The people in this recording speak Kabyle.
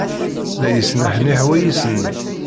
La yesneḥniḥ wayis-nni.